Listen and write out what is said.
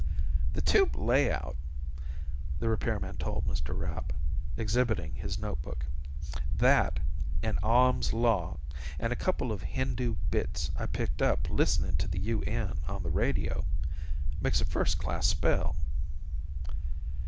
"The tube layout," the repairman told Mr. Rapp, exhibiting his notebook. "That, and Ohm's Law, and a couple of Hindu bits I picked up listening to the UN on the radio ... makes a first class spell."